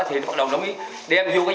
thì nó bắt đầu nó mới đem vô